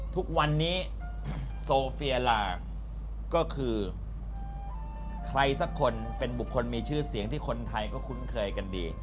ทุกวันนี้โซเฟียหลากก็คือใครสักคนเป็นบุคคลมีชื่อเสียงที่คนไทยก็คุ้นเคยกันดี